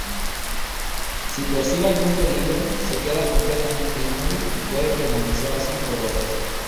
Si percibe algún peligro, se queda completamente inmóvil y puede permanecer así por horas.